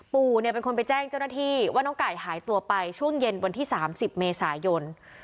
ปู่เนี่ยเป็นคนไปแจ้งเจ้าหน้าที่ว่าน้องไก่หายตัวไปช่วงเย็นวันที่๓๐เมษายน